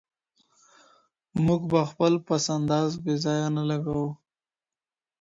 موږ به خپل پس انداز بې ځایه نه لګوو.